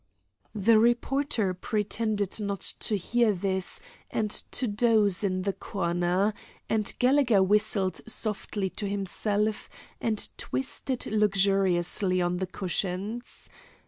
The reporter pretended not to hear this, and to doze in the corner, and Gallegher whistled softly to himself and twisted luxuriously on the cushions.